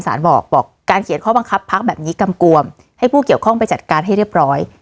บอกบอกการเขียนข้อบังคับพักแบบนี้กำกวมให้ผู้เกี่ยวข้องไปจัดการให้เรียบร้อย